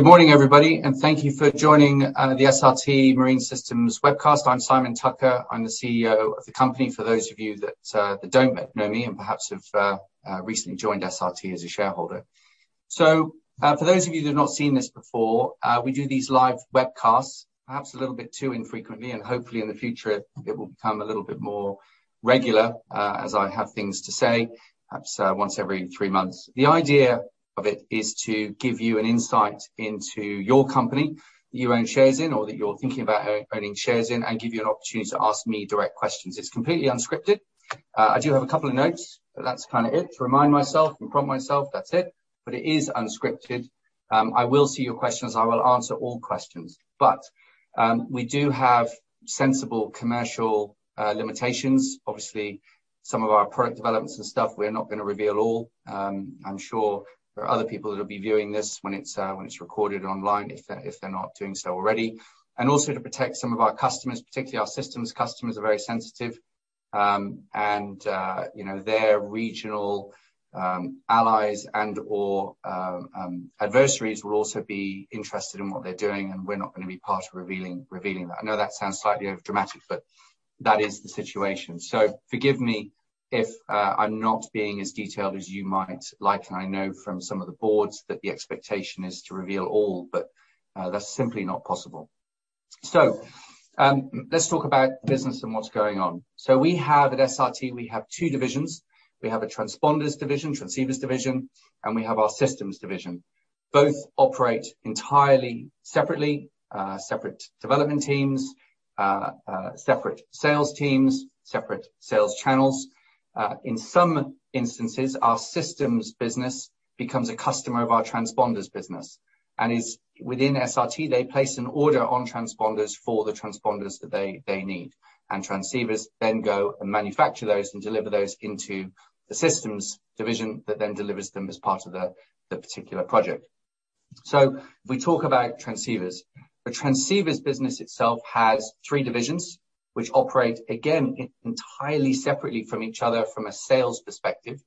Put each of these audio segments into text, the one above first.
Good morning, everybody, and thank you for joining the SRT Marine Systems webcast. I'm Simon Tucker. I'm the CEO of the company, for those of you that don't know me and perhaps have recently joined SRT as a shareholder. For those of you who have not seen this before, we do these live webcasts perhaps a little bit too infrequently, and hopefully in the future it will become a little bit more regular as I have things to say, perhaps once every three months. The idea of it is to give you an insight into your company that you own shares in, or that you're thinking about owning shares in and give you an opportunity to ask me direct questions. It's completely unscripted. I do have a couple of notes, but that's kinda it. To remind myself and prompt myself, that's it. It is unscripted. I will see your questions. I will answer all questions. We do have sensible commercial limitations. Obviously, some of our product developments and stuff, we're not gonna reveal all. I'm sure there are other people that'll be viewing this when it's recorded online, if they're not doing so already. Also to protect some of our customers, particularly our systems customers are very sensitive, and you know, their regional allies and/or adversaries will also be interested in what they're doing, and we're not gonna be part of revealing that. I know that sounds slightly overdramatic, but that is the situation. Forgive me if I'm not being as detailed as you might like. I know from some of the boards that the expectation is to reveal all, but that's simply not possible. Let's talk about business and what's going on. We have, at SRT, two divisions. We have a transponders division, transceivers division, and we have our systems division. Both operate entirely separately, separate development teams, separate sales teams, separate sales channels. In some instances, our systems business becomes a customer of our transponders business and is within SRT, they place an order on transponders for the transponders that they need. Transceivers then go and manufacture those and deliver those into the systems division that then delivers them as part of the particular project. If we talk about transceivers. The transceivers business itself has three divisions which operate, again, entirely separately from each other from a sales perspective.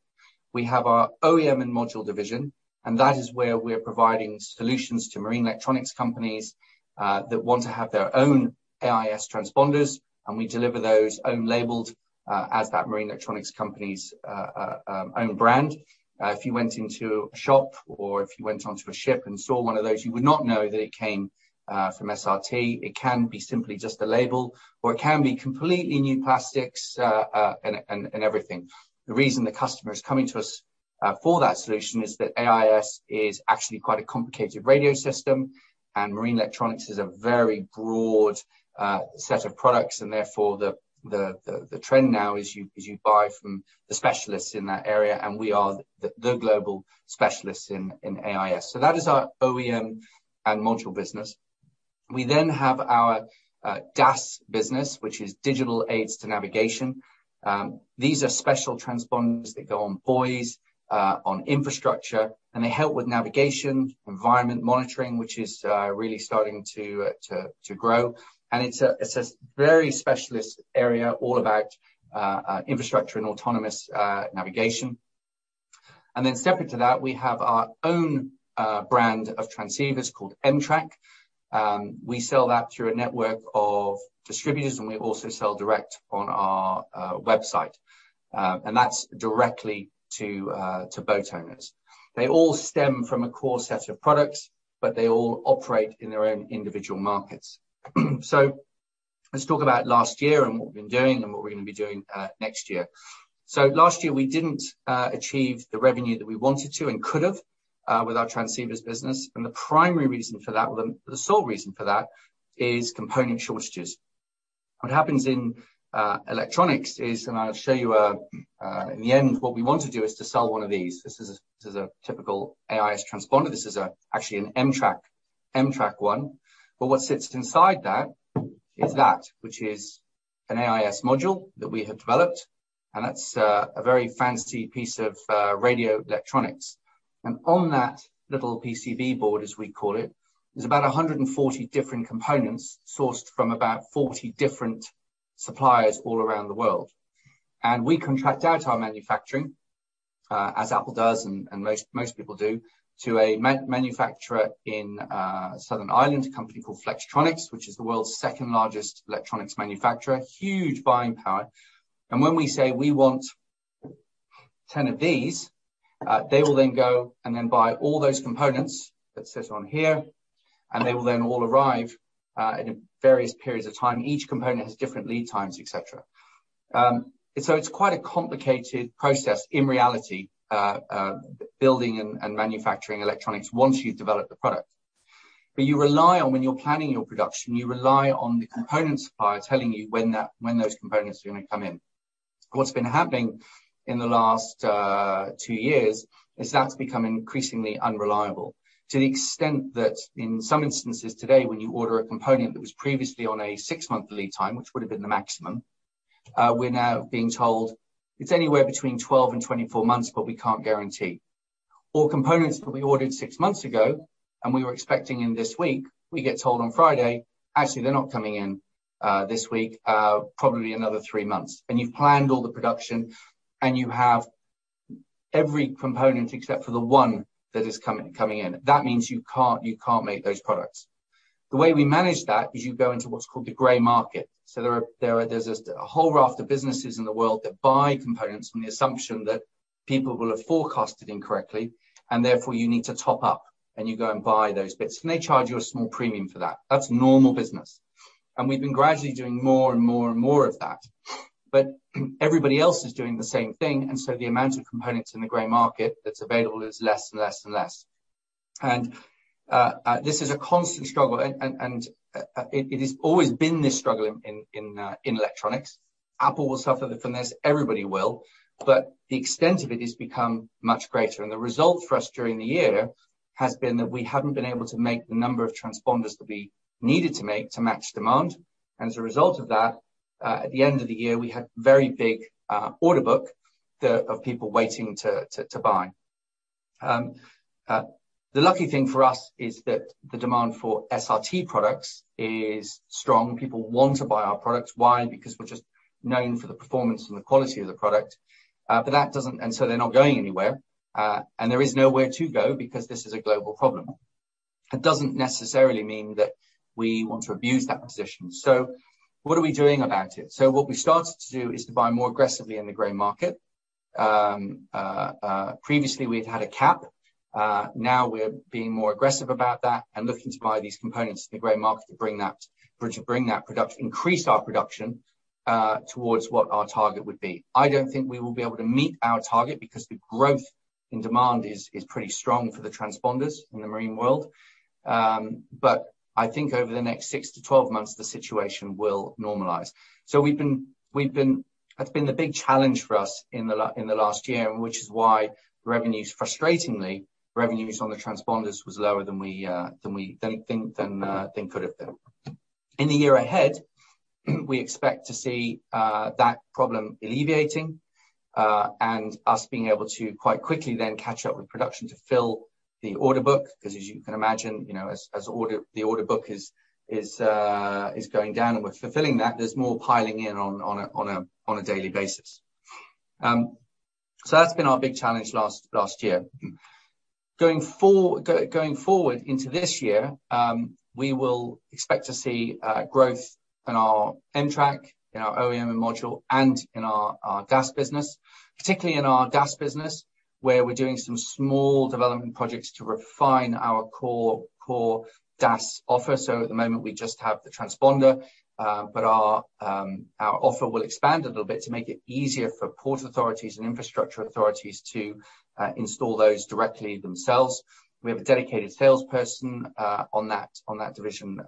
We have our OEM and module division, and that is where we're providing solutions to marine electronics companies that want to have their own AIS transponders, and we deliver those own labeled as that marine electronics company's own brand. If you went into a shop or if you went onto a ship and saw one of those, you would not know that it came from SRT. It can be simply just a label, or it can be completely new plastics and everything. The reason the customer is coming to us for that solution is that AIS is actually quite a complicated radio system, and marine electronics is a very broad set of products and therefore, the trend now is you buy from the specialists in that area, and we are the global specialists in AIS. That is our OEM and module business. We have our DAS business, which is digital aids to navigation. These are special transponders that go on buoys on infrastructure, and they help with navigation, environment monitoring, which is really starting to grow. It's a very specialist area all about infrastructure and autonomous navigation. Separate to that, we have our own brand of transceivers called em-trak. We sell that through a network of distributors, and we also sell direct on our website. That's directly to boat owners. They all stem from a core set of products, but they all operate in their own individual markets. Let's talk about last year and what we've been doing and what we're gonna be doing next year. Last year we didn't achieve the revenue that we wanted to and could've with our transceivers business, and the primary reason for that, the sole reason for that is component shortages. What happens in electronics is, and I'll show you. In the end, what we want to do is to sell one of these. This is a typical AIS transponder. This is actually an em-trak one. What sits inside that is that which is an AIS module that we have developed, and that's a very fancy piece of radio electronics. On that little PCB board, as we call it, is about 140 different components sourced from about 40 different suppliers all around the world. We contract out our manufacturing as Apple does and most people do to a manufacturer in Southern Ireland, a company called Flextronics, which is the world's second largest electronics manufacturer. Huge buying power. When we say we want 10 of these, they will then go and buy all those components that sits on here, and they will then all arrive in various periods of time. Each component has different lead times, et cetera. It's quite a complicated process in reality, building and manufacturing electronics once you've developed the product. You rely on, when you're planning your production, the component supplier telling you when those components are gonna come in. What's been happening in the last two years is that's become increasingly unreliable, to the extent that in some instances today, when you order a component that was previously on a six-month lead time, which would have been the maximum, we're now being told it's anywhere between 12-24 months, but we can't guarantee. Components that we ordered six months ago, and we were expecting in this week, we get told on Friday, "Actually, they're not coming in, this week, probably another three months." You've planned all the production, and you have every component except for the one that is coming in. That means you can't make those products. The way we manage that is you go into what's called the gray market. There are, there's this whole raft of businesses in the world that buy components on the assumption that people will have forecasted incorrectly, and therefore you need to top up, and you go and buy those bits, and they charge you a small premium for that. That's normal business. We've been gradually doing more and more and more of that. Everybody else is doing the same thing, and so the amount of components in the gray market that's available is less and less and less. This is a constant struggle. It has always been this struggle in electronics. Apple will suffer from this, everybody will, but the extent of it has become much greater. The result for us during the year has been that we haven't been able to make the number of transponders that we needed to make to match demand. As a result of that, at the end of the year, we had a very big order book of people waiting to buy. The lucky thing for us is that the demand for SRT products is strong. People want to buy our products. Why? Because we're just known for the performance and the quality of the product. They're not going anywhere. There is nowhere to go because this is a global problem. It doesn't necessarily mean that we want to abuse that position. What are we doing about it? What we started to do is to buy more aggressively in the gray market. Previously we'd had a cap. Now we're being more aggressive about that and looking to buy these components in the gray market to bring that production, increase our production towards what our target would be. I don't think we will be able to meet our target because the growth in demand is pretty strong for the transponders in the marine world. I think over the next six to 12 months, the situation will normalize. That's been the big challenge for us in the last year, which is why revenues, frustratingly, on the transponders was lower than we think could have been. In the year ahead, we expect to see that problem alleviating and us being able to quite quickly then catch up with production to fill the order book. 'Cause as you can imagine, you know, as the order book is going down and we're fulfilling that, there's more piling in on a daily basis. That's been our big challenge last year. Going forward into this year, we will expect to see growth in our em-trak, in our OEM module, and in our DAS business, particularly in our DAS business, where we're doing some small development projects to refine our core DAS offer. At the moment, we just have the transponder, but our offer will expand a little bit to make it easier for port authorities and infrastructure authorities to install those directly themselves. We have a dedicated salesperson on that division,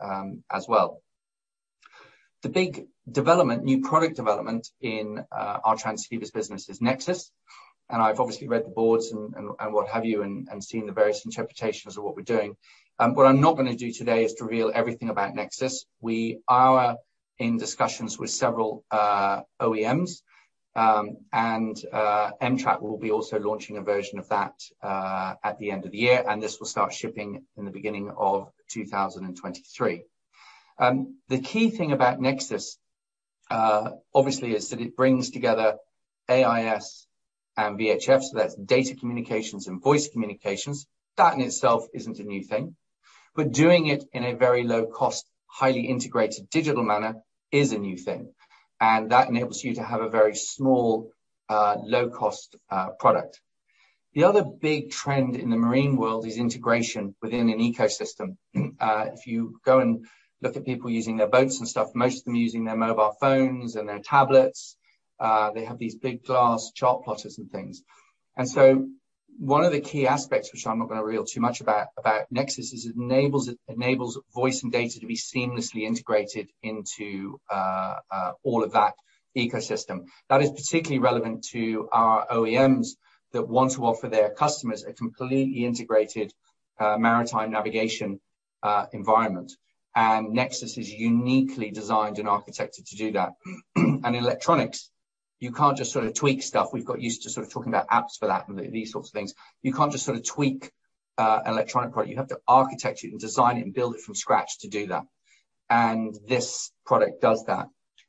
as well. The big development, new product development in our transceivers business is NEXUS. I've obviously read the boards and what have you, and seen the various interpretations of what we're doing. What I'm not gonna do today is to reveal everything about NEXUS. We are in discussions with several OEMs. Em-track will also be launching a version of that at the end of the year, and this will start shipping in the beginning of 2023. The key thing about NEXUS, obviously, is that it brings together AIS and VHF, so that's data communications and voice communications. That in itself isn't a new thing, but doing it in a very low cost, highly integrated digital manner is a new thing. That enables you to have a very small, low cost product. The other big trend in the marine world is integration within an ecosystem. If you go and look at people using their boats and stuff, most of them are using their mobile phones and their tablets. They have these big glass chart plotters and things. One of the key aspects, which I'm not gonna reveal too much about NEXUS, is it enables voice and data to be seamlessly integrated into all of that ecosystem. That is particularly relevant to our OEMs that want to offer their customers a completely integrated maritime navigation environment. NEXUS is uniquely designed and architected to do that. In electronics, you can't just sort of tweak stuff. We've got used to sort of talking about apps for that and these sorts of things. You can't just sort of tweak electronic product. You have to architect it and design it and build it from scratch to do that. This product does that.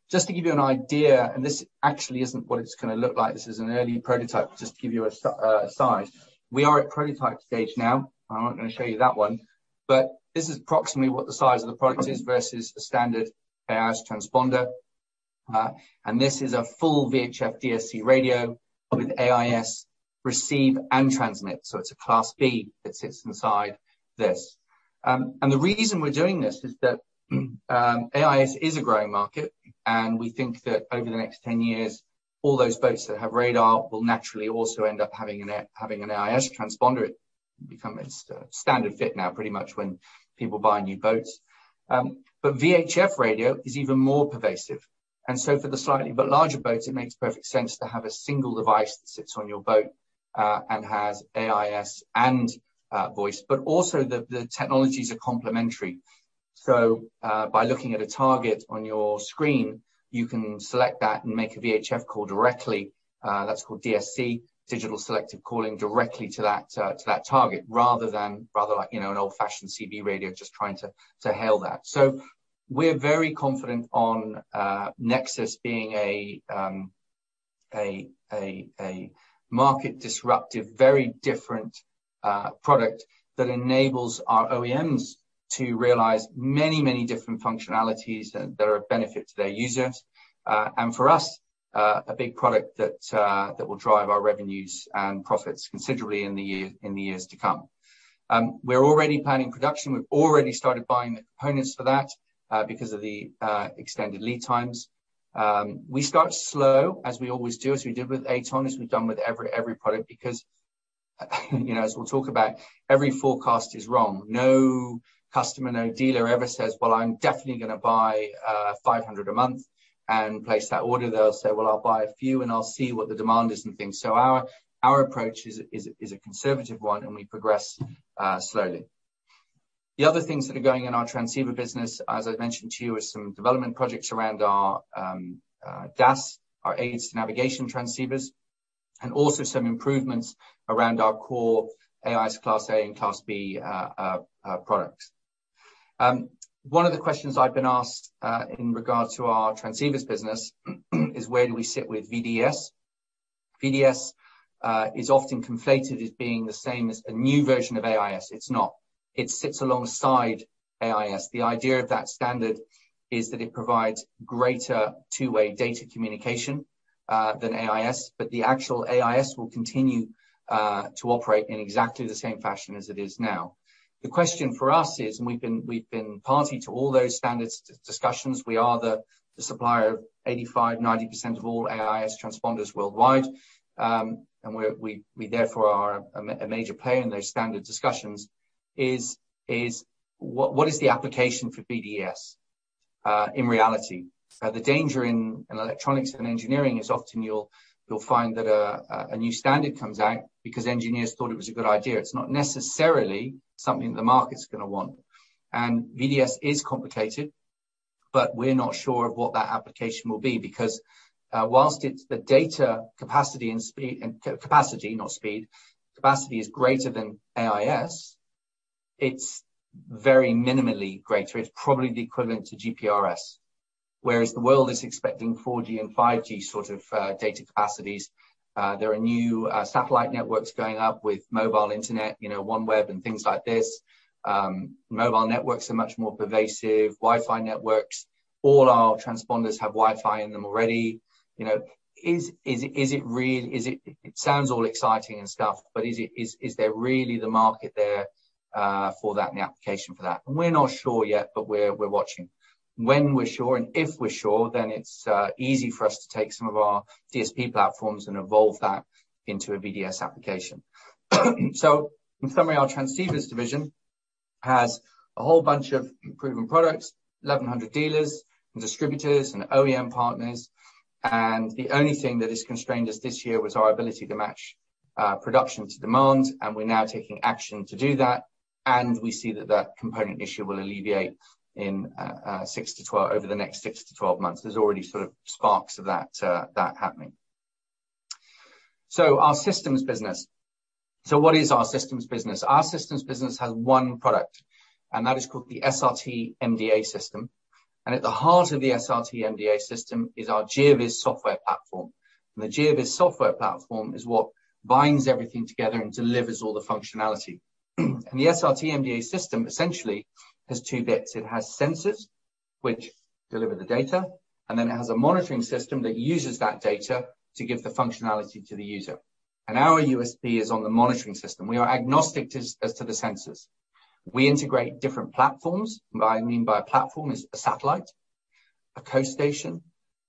Just to give you an idea, and this actually isn't what it's gonna look like, this is an early prototype, just to give you a size. We are at prototype stage now. I'm not gonna show you that one. This is approximately what the size of the product is versus a standard AIS transponder. This is a full VHF DSC radio with AIS receive and transmit. It's a Class B that sits inside this. The reason we're doing this is that AIS is a growing market, and we think that over the next 10 years, all those boats that have radar will naturally also end up having an AIS transponder. It's become a standard fit now pretty much when people buy new boats. VHF radio is even more pervasive. For the slightly larger boats, it makes perfect sense to have a single device that sits on your boat and has AIS and voice. Also the technologies are complementary. By looking at a target on your screen, you can select that and make a VHF call directly. That's called DSC, digital selective calling, directly to that target rather than like you know an old-fashioned CB radio just trying to hail that. We're very confident on NEXUS being a market disruptive, very different product that enables our OEMs to realize many, many different functionalities that are of benefit to their users. For us, a big product that will drive our revenues and profits considerably in the years to come. We're already planning production. We've already started buying the components for that, because of the extended lead times. We start slow, as we always do, as we did with AtoN, as we've done with every product, because, you know, as we'll talk about, every forecast is wrong. No customer, no dealer ever says, "Well, I'm definitely gonna buy 500 a month," and place that order. They'll say, "Well, I'll buy a few, and I'll see what the demand is and things." Our approach is a conservative one, and we progress slowly. The other things that are going in our transceiver business, as I've mentioned to you, is some development projects around our DAS, our aids-to-navigation transceivers, and also some improvements around our core AIS Class A and Class B products. One of the questions I've been asked in regards to our transceivers business is where do we sit with VDS? VDS is often conflated as being the same as a new version of AIS. It's not. It sits alongside AIS. The idea of that standard is that it provides greater two-way data communication than AIS, but the actual AIS will continue to operate in exactly the same fashion as it is now. The question for us is, we've been party to all those standards discussions. We are the supplier of 85%-90% of all AIS transponders worldwide, and we therefore are a major player in those standard discussions. What is the application for VDS in reality? The danger in electronics and engineering is often you'll find that a new standard comes out because engineers thought it was a good idea. It's not necessarily something the market's gonna want. VDS is complicated, but we're not sure of what that application will be. Whilst it's the data capacity, not speed. Capacity is greater than AIS, it's very minimally greater. It's probably the equivalent to GPRS. Whereas the world is expecting 4G and 5G sort of data capacities, there are new satellite networks going up with mobile internet, you know, OneWeb and things like this. Mobile networks are much more pervasive, Wi-Fi networks. All our transponders have Wi-Fi in them already. Is it real? It sounds all exciting and stuff, but is there really the market there for that and the application for that? We're not sure yet, but we're watching. When we're sure and if we're sure, then it's easy for us to take some of our DSP platforms and evolve that into a VDS application. In summary, our transceivers division has a whole bunch of proven products, 1,100 dealers and distributors and OEM partners, and the only thing that has constrained us this year was our ability to match production to demand, and we're now taking action to do that. We see that component issue will alleviate over the next 6-12 months. There's already sort of sparks of that happening. Our systems business. What is our systems business? Our systems business has one product, and that is called the SRT-MDA system. At the heart of the SRT-MDA system is our GeoVS software platform. The GeoVS software platform is what binds everything together and delivers all the functionality. The SRT-MDA system essentially has two bits. It has sensors, which deliver the data, and then it has a monitoring system that uses that data to give the functionality to the user. Our USP is on the monitoring system. We are agnostic to the sensors. We integrate different platforms. What I mean by a platform is a satellite, a coast station,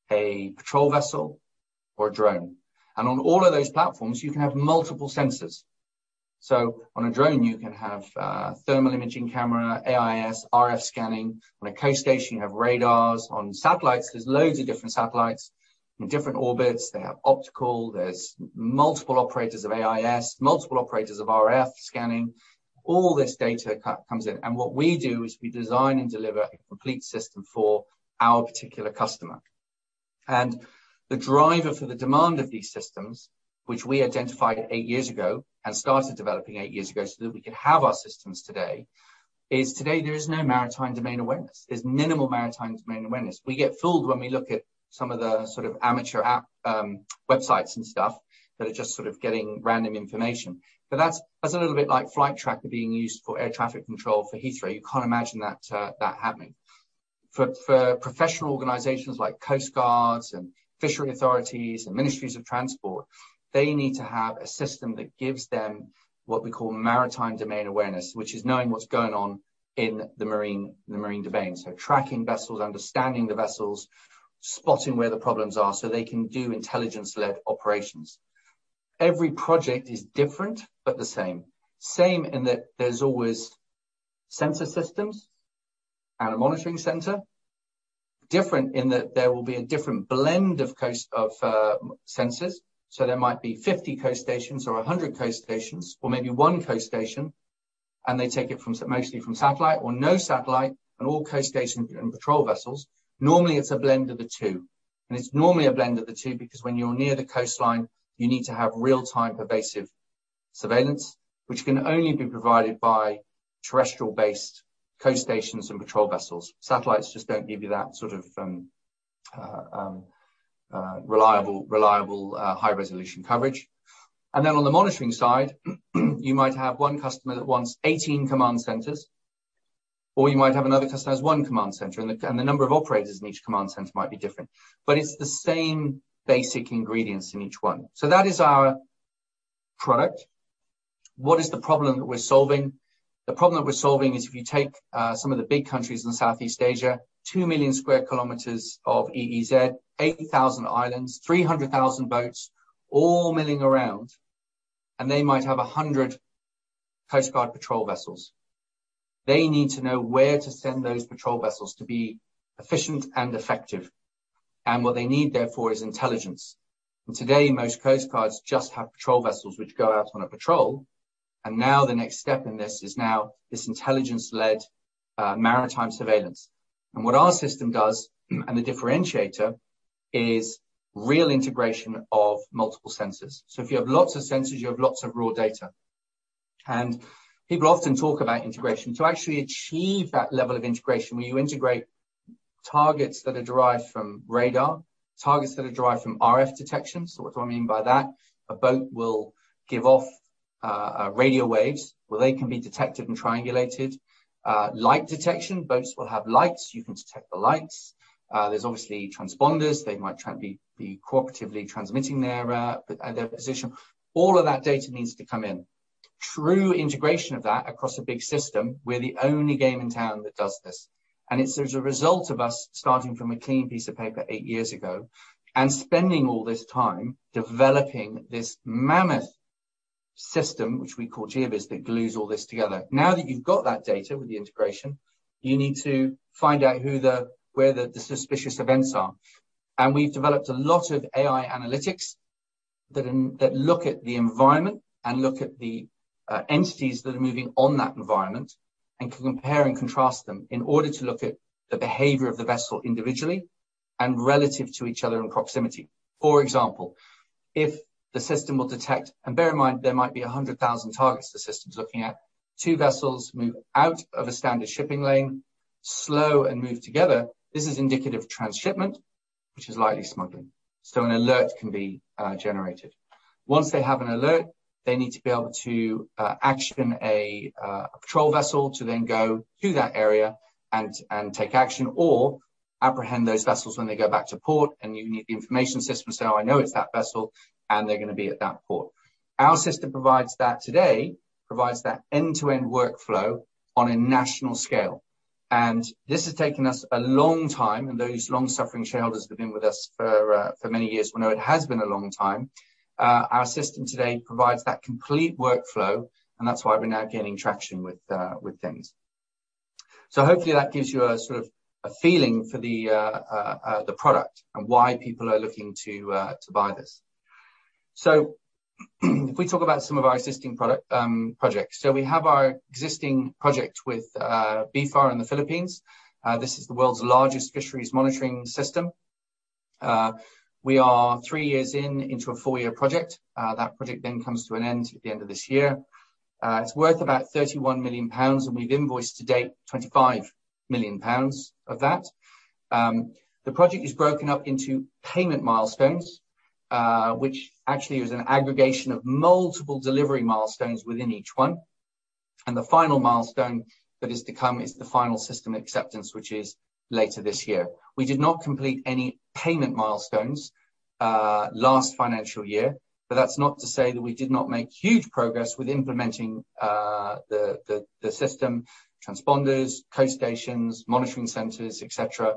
a patrol vessel, or a drone. On all of those platforms, you can have multiple sensors. So on a drone, you can have thermal imaging camera, AIS, RF scanning. On a coast station, you have radars. On satellites, there's loads of different satellites in different orbits. They have optical. There's multiple operators of AIS, multiple operators of RF scanning. All this data comes in, and what we do is we design and deliver a complete system for our particular customer. The driver for the demand of these systems, which we identified eight years ago and started developing eight years ago, so that we can have our systems today, is today there is no maritime domain awareness. There's minimal maritime domain awareness. We get fooled when we look at some of the sort of amateur app websites and stuff that are just sort of getting random information. That's a little bit like flight tracker being used for air traffic control for Heathrow. You can't imagine that happening. For professional organizations like coast guards and fishery authorities and ministries of transport, they need to have a system that gives them what we call maritime domain awareness, which is knowing what's going on in the marine domain. Tracking vessels, understanding the vessels, spotting where the problems are so they can do intelligence-led operations. Every project is different, but the same. Same in that there's always sensor systems and a monitoring center. Different in that there will be a different blend of sensors. There might be 50 coast stations or 100 coast stations or maybe one coast station, and they take it mostly from satellite or no satellite and all coast stations and patrol vessels. Normally, it's a blend of the two because when you're near the coastline you need to have real-time pervasive surveillance, which can only be provided by terrestrial-based coast stations and patrol vessels. Satellites just don't give you that sort of reliable high-resolution coverage. Then on the monitoring side, you might have one customer that wants 18 command centers, or you might have another customer who has one command center, and the number of operators in each command center might be different. It's the same basic ingredients in each one. That is our product. What is the problem that we're solving? The problem that we're solving is if you take some of the big countries in Southeast Asia, 2 million sq km of EEZ, 80,000 islands, 300,000 boats all milling around, and they might have 100 coast guard patrol vessels. They need to know where to send those patrol vessels to be efficient and effective. What they need therefore is intelligence. Today, most coast guards just have patrol vessels which go out on a patrol, and now the next step in this is now this intelligence-led maritime surveillance. What our system does, and the differentiator, is real integration of multiple sensors. If you have lots of sensors, you have lots of raw data. People often talk about integration. To actually achieve that level of integration, where you integrate targets that are derived from radar, targets that are derived from RF detection. What do I mean by that? A boat will give off radio waves, where they can be detected and triangulated. Light detection. Boats will have lights, you can detect the lights. There's obviously transponders. They might be cooperatively transmitting their position. All of that data needs to come in. True integration of that across a big system, we're the only game in town that does this. It's as a result of us starting from a clean piece of paper eight years ago and spending all this time developing this mammoth system, which we call GeoVS, that glues all this together. Now that you've got that data with the integration, you need to find out where the suspicious events are. We've developed a lot of AI analytics that look at the environment and look at the entities that are moving on that environment and can compare and contrast them in order to look at the behavior of the vessel individually and relative to each other in proximity. For example, if the system will detect, and bear in mind, there might be 100,000 targets the system's looking at, two vessels move out of a standard shipping lane, slow and move together, this is indicative of transshipment, which is likely smuggling. An alert can be generated. Once they have an alert, they need to be able to action a patrol vessel to then go to that area and take action or apprehend those vessels when they go back to port, and you need the information system to say, "Oh, I know it's that vessel, and they're gonna be at that port." Our system provides that end-to-end workflow on a national scale. This has taken us a long time, and those long-suffering shareholders who have been with us for many years, we know it has been a long time. Our system today provides that complete workflow, and that's why we're now gaining traction with things. Hopefully that gives you a sort of feeling for the product and why people are looking to buy this. If we talk about some of our existing product projects. We have our existing project with BFAR in the Philippines. This is the world's largest fisheries monitoring system. We are three years into a four-year project. That project then comes to an end at the end of this year. It's worth about 31 million pounds, and we've invoiced to date 25 million pounds of that. The project is broken up into payment milestones, which actually is an aggregation of multiple delivery milestones within each one. The final milestone that is to come is the final system acceptance, which is later this year. We did not complete any payment milestones last financial year, but that's not to say that we did not make huge progress with implementing the system, transponders, coast stations, monitoring centers, et cetera.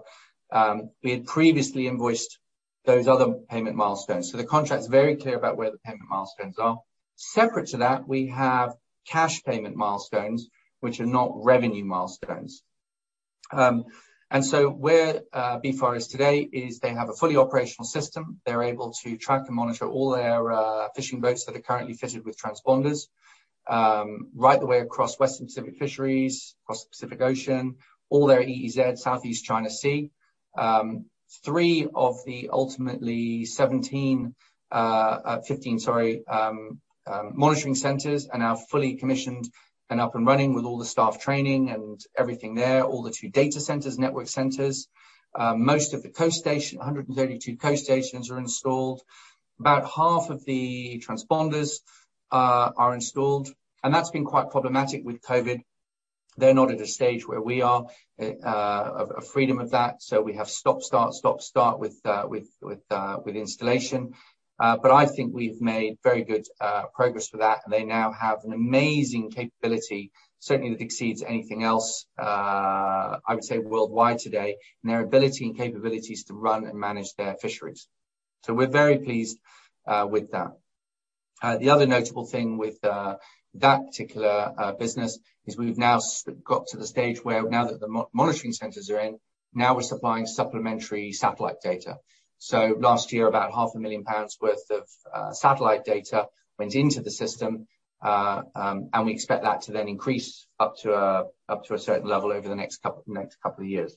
We had previously invoiced those other payment milestones. The contract's very clear about where the payment milestones are. Separate to that, we have cash payment milestones, which are not revenue milestones. Where BFAR is today is they have a fully operational system. They're able to track and monitor all their fishing boats that are currently fitted with transponders right the way across Western Pacific fisheries, across the Pacific Ocean, all their EEZ, South China Sea. Three of the fifteen monitoring centers are now fully commissioned and up and running with all the staff training and everything there, all the two data centers, network centers. Most of the coast stations, 132 coast stations are installed. About half of the transponders are installed, and that's been quite problematic with COVID. They're not at a stage where we are free of that, so we have stop, start, stop, start with installation. But I think we've made very good progress with that, and they now have an amazing capability, certainly that exceeds anything else I would say worldwide today, in their ability and capabilities to run and manage their fisheries. We're very pleased with that. The other notable thing with that particular business is we've now got to the stage where now that the monitoring centers are in, now we're supplying supplementary satellite data. Last year, about 500,000 pounds worth of satellite data went into the system. We expect that to then increase up to a certain level over the next couple of years.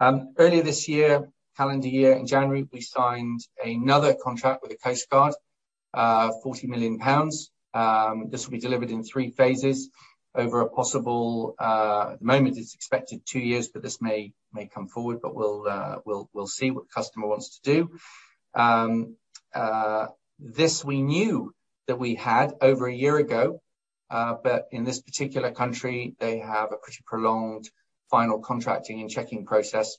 Earlier this year, calendar year, in January, we signed another contract with the Coast Guard, 40 million pounds. This will be delivered in three phases over a possible, at the moment it's expected two years, but this may come forward, but we'll see what the customer wants to do. This we knew that we had over a year ago, but in this particular country, they have a pretty prolonged final contracting and checking process,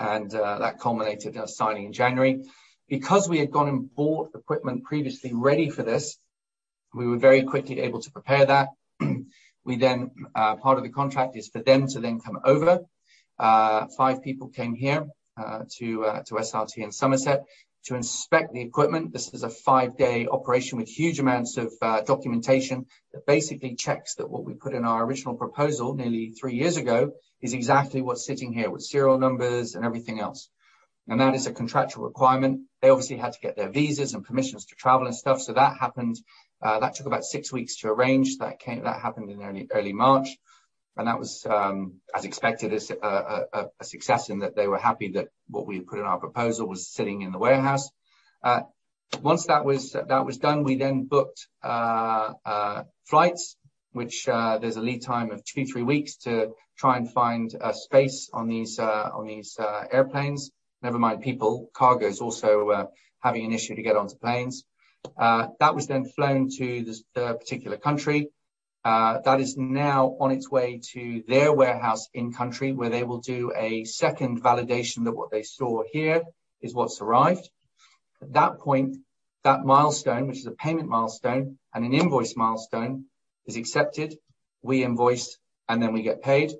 and that culminated in us signing in January. Because we had gone and bought equipment previously ready for this, we were very quickly able to prepare that. We then, part of the contract is for them to then come over. Five people came here, to SRT in Somerset to inspect the equipment. This is a five-day operation with huge amounts of documentation that basically checks that what we put in our original proposal nearly three years ago is exactly what's sitting here with serial numbers and everything else. That is a contractual requirement. They obviously had to get their visas and permissions to travel and stuff. That happened. That took about six weeks to arrange. That happened in early March. That was, as expected, a success in that they were happy that what we had put in our proposal was sitting in the warehouse. Once that was done, we then booked flights, which there's a lead time of two, three weeks to try and find space on these airplanes. Never mind people, cargo is also having an issue to get onto planes. That was then flown to the particular country. That is now on its way to their warehouse in country where they will do a second validation that what they saw here is what's arrived. At that point, that milestone, which is a payment milestone and an invoice milestone, is accepted. We invoice, and then we get paid.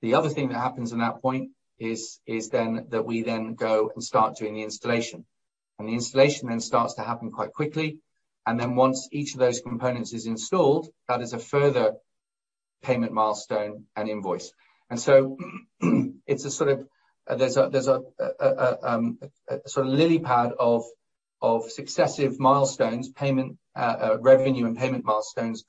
The other thing that happens in that point is then that we go and start doing the installation. The installation then starts to happen quite quickly. Then once each of those components is installed, that is a further payment milestone and invoice. It's a sort of lily pad of successive milestones, payment, revenue and payment milestones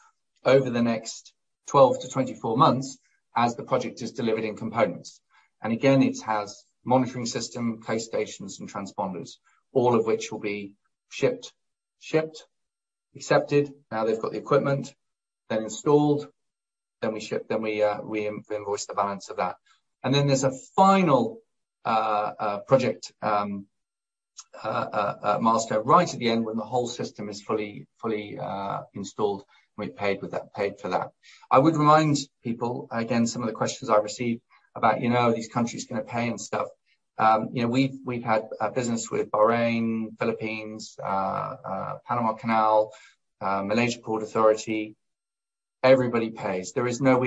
over the next 12-24 months as the project is delivered in components. Again, it has monitoring system, base stations and transponders, all of which will be shipped, accepted. Now they've got the equipment, then installed, then we ship, then we invoice the balance of that. Then there's a final project milestone right at the end when the whole system is fully installed, and we're paid for that. I would remind people, again, some of the questions I receive about, you know, are these countries gonna pay and stuff. You know, we've had business with Bahrain, Philippines, Panama Canal, Malaysia Port Authority. Everybody pays. There is no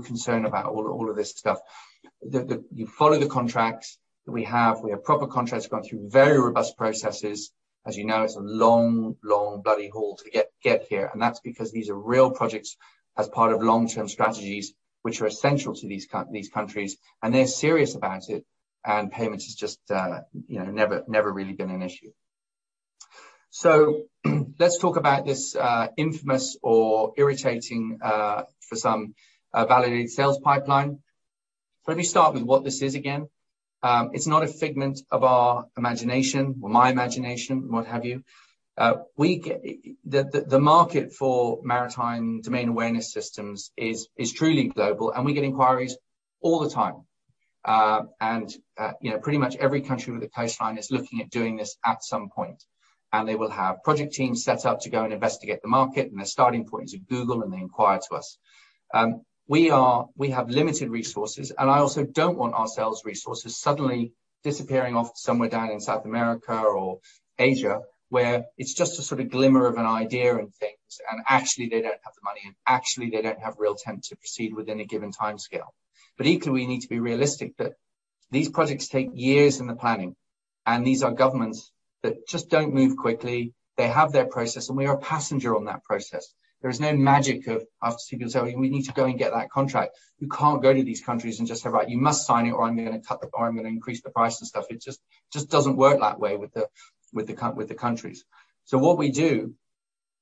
concern about all of this stuff. You follow the contracts that we have. We have proper contracts gone through very robust processes. As you know, it's a long bloody haul to get here. That's because these are real projects as part of long-term strategies which are essential to these countries, and they're serious about it, and payment has just, you know, never really been an issue. Let's talk about this infamous or irritating, for some, validated sales pipeline. Let me start with what this is again. It's not a figment of our imagination or my imagination, what have you. The market for maritime domain awareness systems is truly global, and we get inquiries all the time. And you know, pretty much every country with a coastline is looking at doing this at some point. They will have project teams set up to go and investigate the market, and their starting point is Google, and they inquire to us. We have limited resources, and I also don't want our sales resources suddenly disappearing off somewhere down in South America or Asia, where it's just a sort of glimmer of an idea and things, and actually they don't have the money, and actually they don't have real intent to proceed with any given timescale. Equally, we need to be realistic that these projects take years in the planning, and these are governments that just don't move quickly. They have their process, and we are a passenger on that process. There is no magic of us telling, "We need to go and get that contract." You can't go to these countries and just say, "Right, you must sign it, or I'm gonna increase the price and stuff." It just doesn't work that way with the countries. What we do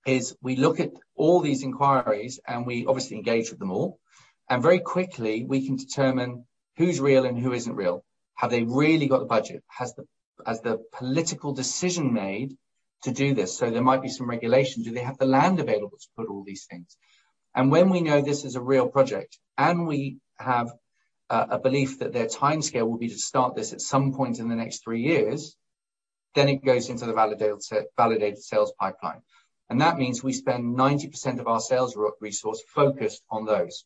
is we look at all these inquiries, and we obviously engage with them all. Very quickly, we can determine who's real and who isn't real. Have they really got the budget? Has the political decision made to do this? There might be some regulation. Do they have the land available to put all these things? When we know this is a real project and we have a belief that their timescale will be to start this at some point in the next three years, then it goes into the validated sales pipeline. That means we spend 90% of our sales resource focused on those.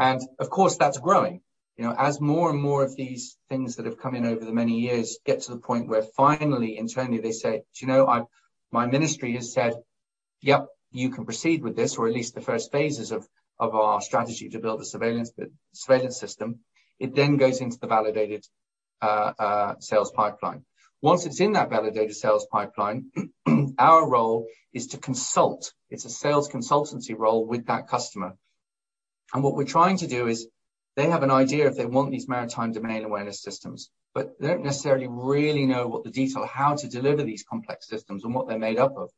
Of course, that's growing. You know, as more and more of these things that have come in over the many years get to the point where finally, internally, they say, "Do you know what? My ministry has said, 'Yep, you can proceed with this,' or at least the first phases of our strategy to build a surveillance system," it then goes into the validated sales pipeline. Once it's in that validated sales pipeline, our role is to consult. It's a sales consultancy role with that customer. What we're trying to do is they have an idea if they want these maritime domain awareness systems, but they don't necessarily really know what the detail, how to deliver these complex systems and what they're made up of.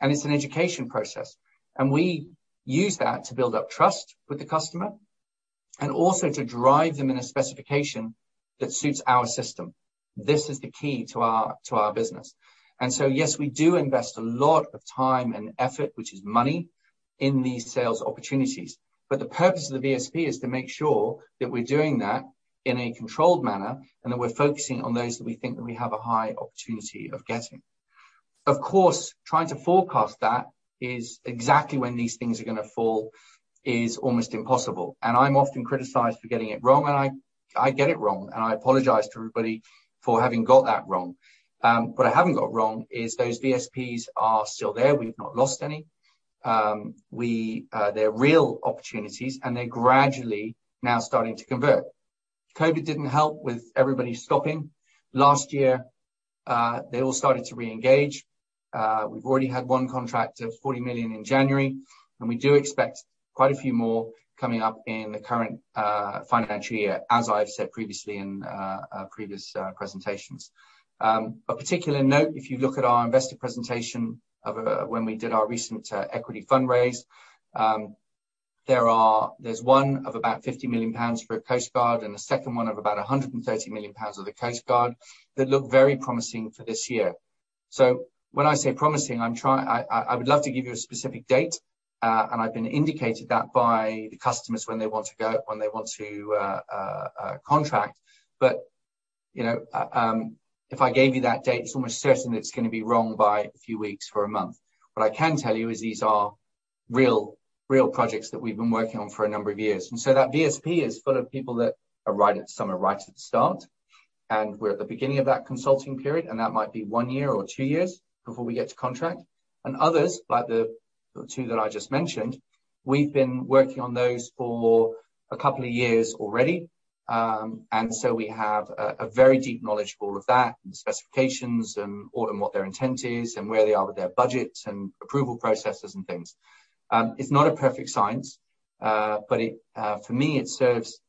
It's an education process. We use that to build up trust with the customer and also to drive them in a specification that suits our system. This is the key to our business. Yes, we do invest a lot of time and effort, which is money, in these sales opportunities. The purpose of the VSP is to make sure that we're doing that in a controlled manner, and that we're focusing on those that we think that we have a high opportunity of getting. Of course, trying to forecast that is exactly when these things are gonna fall is almost impossible. I'm often criticized for getting it wrong, and I get it wrong, and I apologize to everybody for having got that wrong. What I haven't got wrong is those VSPs are still there. We've not lost any. They're real opportunities, and they're gradually now starting to convert. COVID didn't help with everybody stopping. Last year, they all started to reengage. We've already had one contract of 40 million in January, and we do expect quite a few more coming up in the current financial year, as I've said previously in previous presentations. A particular note, if you look at our investor presentation of when we did our recent equity fundraise, there's one of about 50 million pounds for a Coast Guard and a second one of about 130 million pounds for the Coast Guard that look very promising for this year. When I say promising, I would love to give you a specific date, and the customers have indicated that to me when they want to go, when they want to contract. You know, if I gave you that date, it's almost certain it's gonna be wrong by a few weeks or a month. What I can tell you is these are real projects that we've been working on for a number of years. That VSP is full of projects, some are right at the start, and we're at the beginning of that consulting period, and that might be one year or two years before we get to contract. Others, like the two that I just mentioned, we've been working on those for a couple of years already. We have a very deep knowledge of all of that and the specifications and what their intent is and where they are with their budgets and approval processes and things. It's not a perfect science, but it for me serves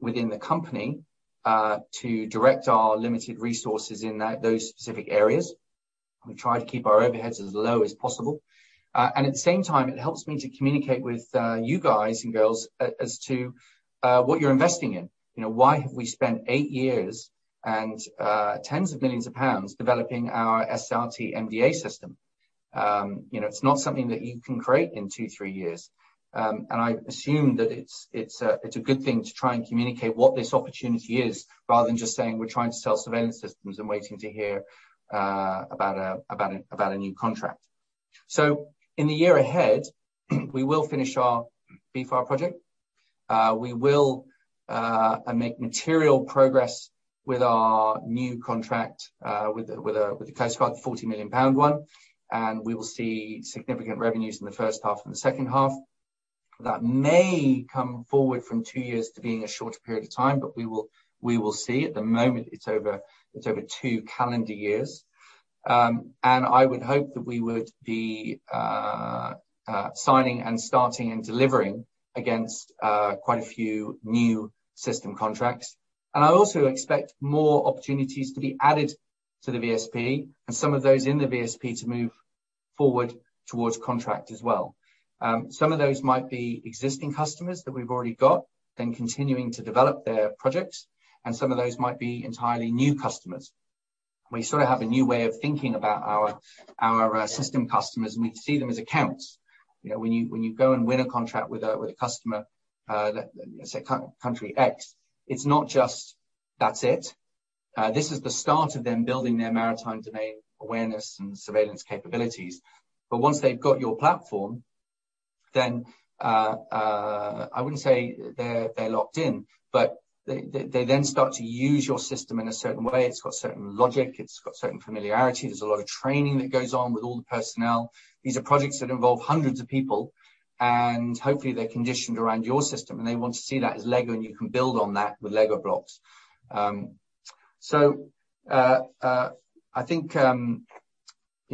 within the company to direct our limited resources in those specific areas. We try to keep our overheads as low as possible. At the same time, it helps me to communicate with you guys and girls as to what you're investing in. You know, why have we spent eight years and tens of millions pounds developing our SRT-MDA system? You know, it's not something that you can create in two, three years. I assume that it's a good thing to try and communicate what this opportunity is, rather than just saying we're trying to sell surveillance systems and waiting to hear about a new contract. In the year ahead, we will finish our BFAR project and make material progress with our new contract with the Coast Guard, the 40 million pound one, and we will see significant revenues in the first half and the second half. That may come forward from two years to being a shorter period of time, but we will see. At the moment, it's over two calendar years. I would hope that we would be signing and starting and delivering against quite a few new system contracts. I also expect more opportunities to be added to the VSP and some of those in the VSP to move forward towards contract as well. Some of those might be existing customers that we've already got, then continuing to develop their projects, and some of those might be entirely new customers. We sort of have a new way of thinking about our system customers, and we see them as accounts. You know, when you go and win a contract with a customer, let's say country X, it's not just that's it. This is the start of them building their maritime domain awareness and surveillance capabilities. Once they've got your platform, then I wouldn't say they're locked in, but they then start to use your system in a certain way. It's got certain logic. It's got certain familiarity. There's a lot of training that goes on with all the personnel. These are projects that involve hundreds of people, and hopefully, they're conditioned around your system, and they want to see that as LEGO, and you can build on that with LEGO blocks. I think you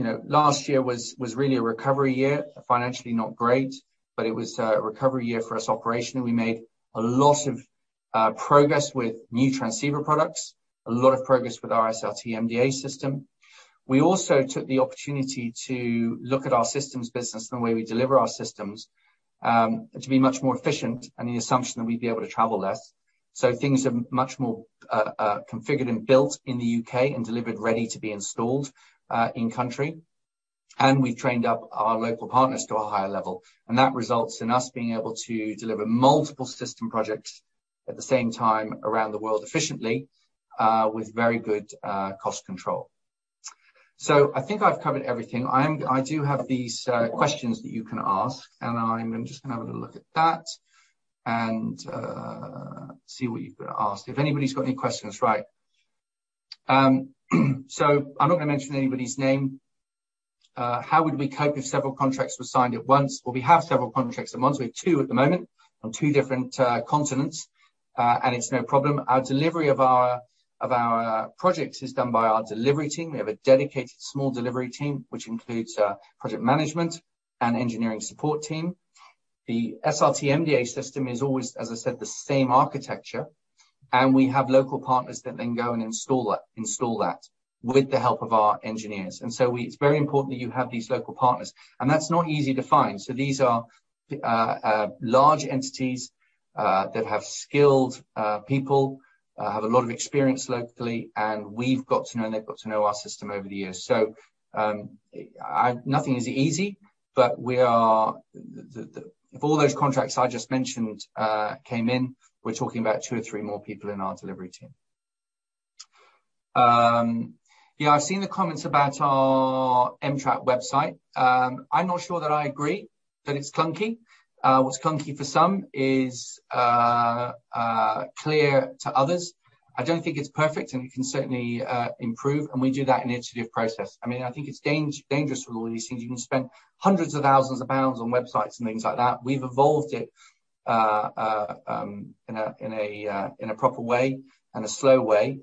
know, last year was really a recovery year. Financially, not great, but it was a recovery year for us operationally. We made a lot of progress with new transceiver products, a lot of progress with our SRT-MDA system. We also took the opportunity to look at our systems business and the way we deliver our systems to be much more efficient and the assumption that we'd be able to travel less. Things are much more configured and built in the U.K. and delivered ready to be installed in country. We've trained up our local partners to a higher level, and that results in us being able to deliver multiple system projects at the same time around the world efficiently with very good cost control. I think I've covered everything. I do have these questions that you can ask, and I'm just gonna have a little look at that and see what you've got to ask. If anybody's got any questions, right. I'm not gonna mention anybody's name. How would we cope if several contracts were signed at once? Well, we have several contracts at once. We have two at the moment on two different continents, and it's no problem. Our delivery of our projects is done by our delivery team. We have a dedicated small delivery team, which includes project management and engineering support team. The SRT-MDA system is always, as I said, the same architecture. We have local partners that then go and install that with the help of our engineers. It's very important that you have these local partners, and that's not easy to find. These are large entities that have skilled people, have a lot of experience locally, and we've got to know, and they've got to know our system over the years. Nothing is easy, but we are the, if all those contracts I just mentioned came in, we're talking about two or three more people in our delivery team. Yeah, I've seen the comments about our em-trak website. I'm not sure that I agree that it's clunky. What's clunky for some is clear to others. I don't think it's perfect, and it can certainly improve, and we do that in an iterative process. I mean, I think it's dangerous with all these things. You can spend hundreds of thousands of pounds websites and things like that. We've evolved it in a proper way and a slow way.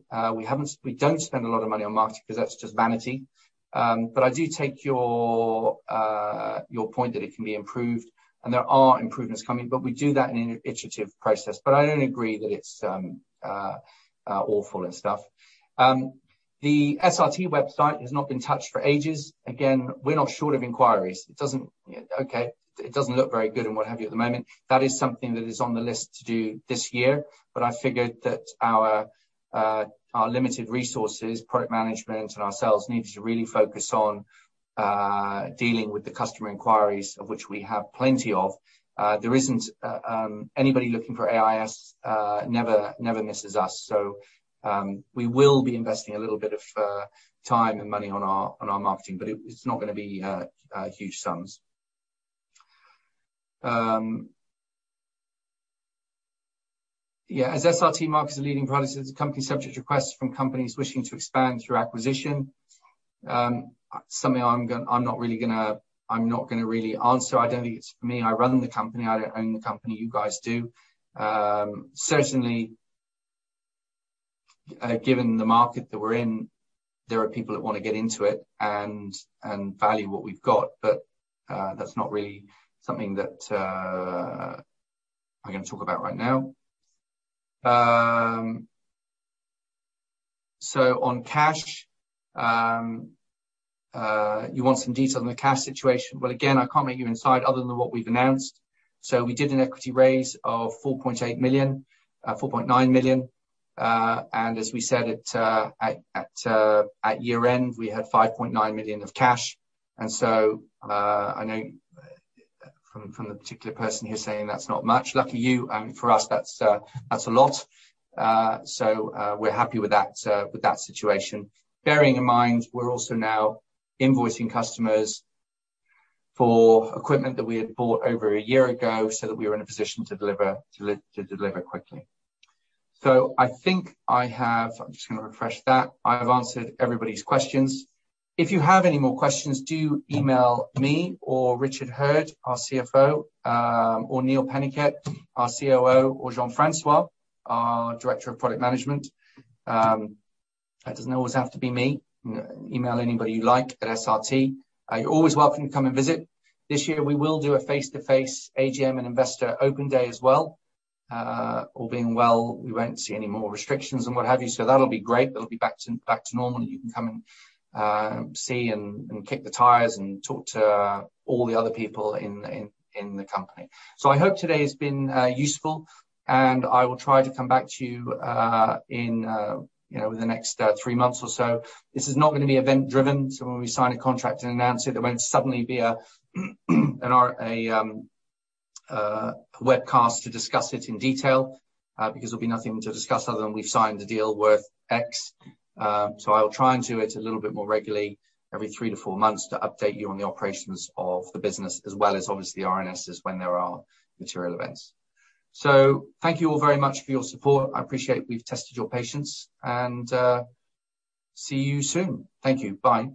We don't spend a lot of money on marketing because that's just vanity. I do take your point that it can be improved, and there are improvements coming, but we do that in an iterative process. I don't agree that it's awful and stuff. The SRT website has not been touched for ages. Again, we're not short of inquiries. It doesn't look very good and what have you at the moment. That is something that is on the list to do this year. I figured that our limited resources, product management, and ourselves needed to really focus on dealing with the customer inquiries of which we have plenty of. There isn't anybody looking for AIS who never misses us. We will be investing a little bit of time and money on our marketing, but it's not gonna be huge sums. Yeah, as SRT markets a leading product, is the company subject to requests from companies wishing to expand through acquisition? Something I'm not really gonna answer. I don't think it's for me. I run the company, I don't own the company. You guys do. Certainly, given the market that we're in, there are people that wanna get into it and value what we've got. That's not really something that I'm gonna talk about right now. On cash, you want some detail on the cash situation. Well, again, I can't give you any insight other than what we've announced. We did an equity raise of 4.8 million, 4.9 million. And as we said at year end, we had 5.9 million of cash. I know from the particular person who's saying that's not much, lucky you. For us, that's a lot. We're happy with that situation. Bearing in mind, we're also now invoicing customers for equipment that we had bought over a year ago, so that we were in a position to deliver quickly. I think I have. I'm just gonna refresh that. I've answered everybody's questions. If you have any more questions, do email me or Richard Hurd, our CFO, or Neil Peniket, our COO, or Jean-Francois, our Director of Product Management. It doesn't always have to be me. You can email anybody you like at SRT. You're always welcome to come and visit. This year, we will do a face-to-face AGM and investor open day as well. All being well, we won't see any more restrictions and what have you. That'll be great. That'll be back to normal, and you can come and see and kick the tires and talk to all the other people in the company. I hope today has been useful, and I will try to come back to you in you know within the next three months or so. This is not gonna be event-driven, so when we sign a contract and announce it, there won't suddenly be a webcast to discuss it in detail because there'll be nothing to discuss other than we've signed a deal worth X. I'll try and do it a little bit more regularly every three to four months to update you on the operations of the business as well as obviously RNSs when there are material events. Thank you all very much for your support. I appreciate we've tested your patience, and, see you soon. Thank you. Bye.